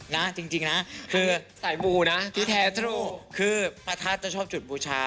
นะจริงนะคือสายมูนะที่แท้ตรู่คือประทัดจะชอบจุดบูชา